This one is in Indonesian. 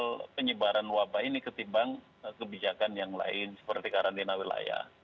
lebih efektif untuk menangkal penyebaran wabah ini ketimbang kebijakan yang lain seperti karantina wilayah